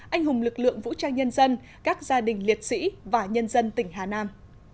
anh hùng lực lượng vũ trang nhân dân các gia đình liệt sĩ và nhân dân tỉnh hà nam